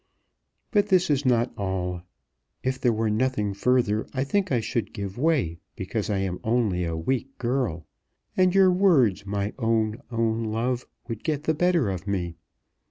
But this is not all. If there were nothing further, I think I should give way because I am only a weak girl; and your words, my own, own love, would get the better of me.